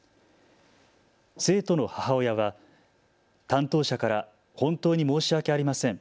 生徒の母親は担当者から本当に申し訳ありません。